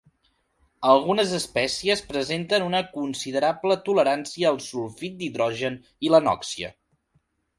Algunes espècies presenten una considerable tolerància al sulfit d'hidrogen i l'anòxia